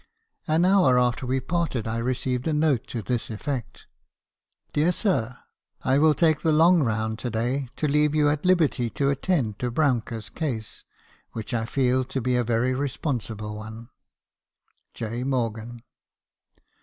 "An hour after we parted , I received a note to this effect — "'Dear Sir, — I will take the long round to day, to leave you at liberty to attend to Brouncker's case, which I feel to be a very responsible one. "\ J. Morgan.'